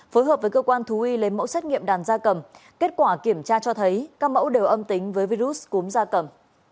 phối hợp với cơ quan thú y lấy mẫu xét nghiệm đàn da cầm kết quả kiểm tra cho thấy các mẫu đều âm tính với virus cúm da cầm